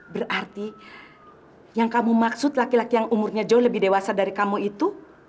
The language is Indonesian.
berarti yang kamu maksud laki laki yang umurnya jauh lebih dewasa dari kamu itu